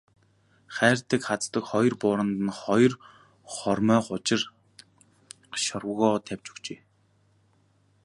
Хайрдаг хаздаг хоёр бууранд нь хоёр хормой хужир шорвогоо тавьж өгчээ.